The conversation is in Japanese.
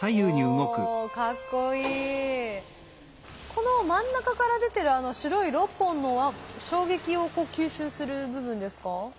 この真ん中から出てるあの白い６本のは衝撃を吸収する部分ですか？